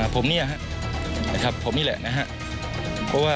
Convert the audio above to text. ผมเนี่ยครับผมนี่แหละนะครับ